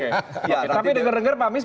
tapi dengar dengar pak mies